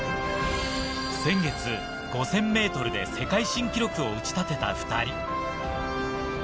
先月、５０００ｍで世界新記録を打ち立てた２人。